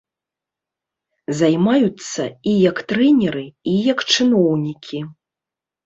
Займаюцца і як трэнеры, і як чыноўнікі.